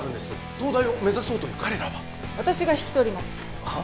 東大を目指そうという彼らは私が引き取りますはっ？